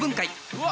うわ！